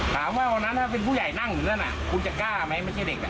วันนั้นถ้าเป็นผู้ใหญ่นั่งอยู่นั่นคุณจะกล้าไหมไม่ใช่เด็ก